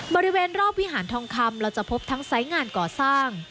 บริเวณรอบวิหารทองคำเราจะพบทั้งไซส์งานก่อสร้าง